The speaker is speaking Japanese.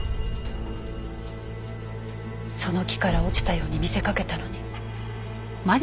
その木から落ちたように見せかけたのに。